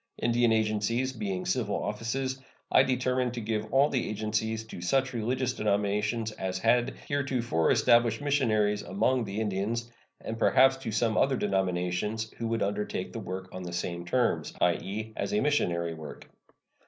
Indian agencies being civil offices, I determined to give all the agencies to such religious denominations as had heretofore established missionaries among the Indians, and perhaps to some other denominations who would undertake the work on the same terms i.e., as a missionary work.